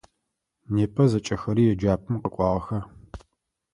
Непэ зэкӏэхэри еджапӏэм къэкӏуагъэха?